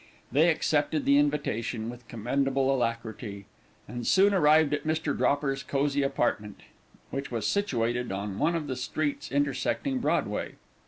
They accepted the invitation with commendable alacrity, and soon arrived at Mr. Dropper's cozy apartment, which was situated on one of the streets intersecting Broadway.